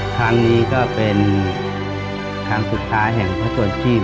ครั้งนี้ก็เป็นครั้งสุดท้ายแห่งพระสดชีพ